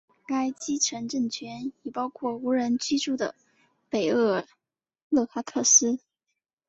该基层政权也包括无人居住的北厄勒哈克斯。